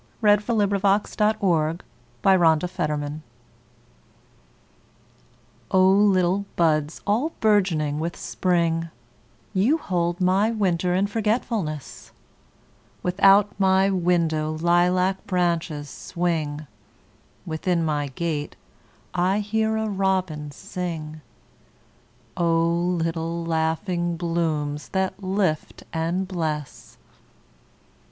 1917. Thomas S. Jones, Jr. A Song in Spring O LITTLE buds all bourgeoning with Spring, You hold my winter in forgetfulness; Without my window lilac branches swing, Within my gate I hear a robin sing—O little laughing blooms that lift and bless!